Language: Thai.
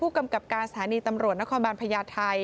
ผู้กำกับการสถานีตำรวจนครบันพยาทัย